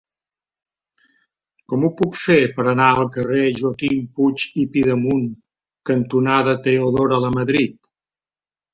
Com ho puc fer per anar al carrer Joaquim Puig i Pidemunt cantonada Teodora Lamadrid?